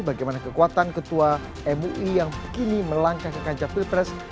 bagaimana kekuatan ketua mui yang kini melangkah ke kancah pilpres